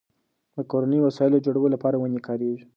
د کورنیو وسایلو جوړولو لپاره ونې کارېږي.